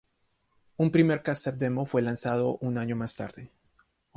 Un primer casete demo fue lanzado un año más tarde.